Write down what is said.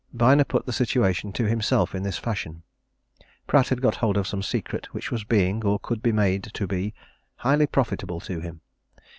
Byner put the situation to himself in this fashion Pratt had got hold of some secret which was being, or could be made to be, highly profitable to him.